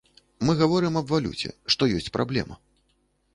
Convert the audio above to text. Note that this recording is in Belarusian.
Мы гаворым аб валюце, што ёсць праблема.